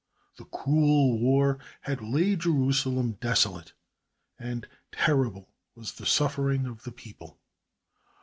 The cruel war had laid Jerusalem desolate, and terrible was the suffering of the people.